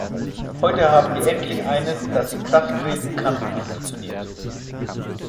Heute haben wir endlich eines, das in Kraft treten kann und funktioniert.